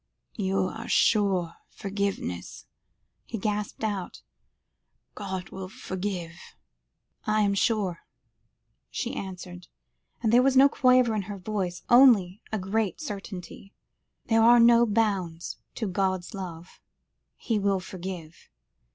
"You are sure forgiveness," he gasped out. "God will forgive?" "I am sure," she answered, and there was no quaver in her voice, only a great certainty; "there are no bounds to God's love. He will forgive.